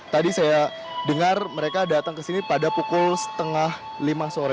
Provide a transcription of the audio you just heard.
tadi saya dengar mereka datang ke sini pada pukul setengah lima sore